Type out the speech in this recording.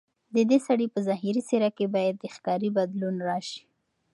ددې سړي په ظاهري څېره کې باید د ښکاري بدلون راشي.